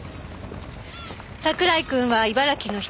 桜井くんは茨城の人？